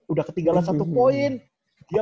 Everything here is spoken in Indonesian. udah ketinggalan satu poin dia